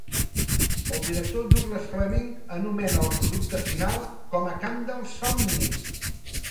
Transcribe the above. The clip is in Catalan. El director Douglas Fleming anomena al producte final com a camp dels somnis.